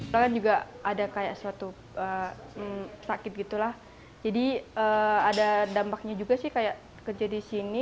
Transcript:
lalu kan juga ada kayak suatu sakit gitu lah jadi ada dampaknya juga sih kayak kerja di sini